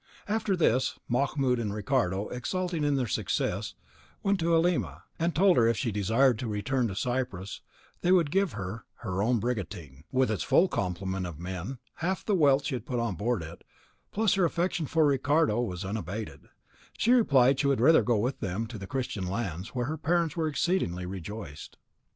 After this, Mahmoud and Ricardo, exulting in their success, went to Halima, and told her that if she desired to return to Cyprus they would give her her own brigantine, with its full complement of men, and half the wealth she had put on board it; but as her affection for Ricardo was unabated, she replied that she would rather go with them to Christian lands, whereat her parents were exceedingly rejoiced.